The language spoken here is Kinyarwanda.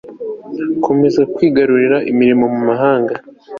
kwemeza kwagurira imirimo mu mahanga